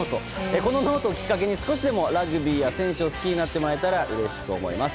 このノートをきっかけに少しでもラグビーや選手を好きになってもらえたらうれしく思います。